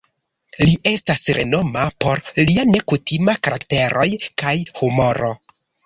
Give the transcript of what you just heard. Li estas renoma por lia nekutima karakteroj kaj humoro.